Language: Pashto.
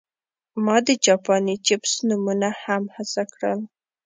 ما د جاپاني چپس نومونه هم هڅه کړل